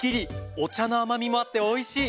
お茶のあまみもあっておいしい！